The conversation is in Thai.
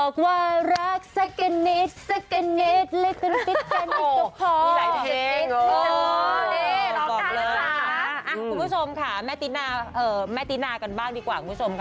คุณผู้ชมค่ะแม่ตินากันบ้างดีกว่าคุณผู้ชมค่ะ